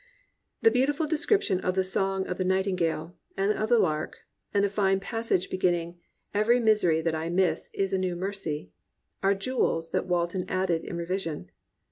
The beautiful description of the song of the night ingale, and of the lark, and the fine passage begin ning, "Every misery that I miss is a new mercy," are jewels that Walton added in revision.